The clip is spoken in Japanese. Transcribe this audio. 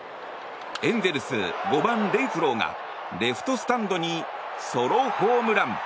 エンゼルス、５番、レンフローがレフトスタンドにソロホームラン。